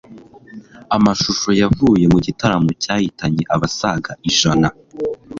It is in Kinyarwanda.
Amashusho yavuye mu gitaramo cyahitanye abasaga ijana